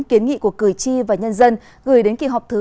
kiến nghị của cử tri và nhân dân gửi đến kỳ họp thứ năm